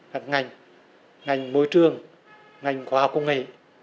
các ngành ngành môi trường ngành khoa học công nghệ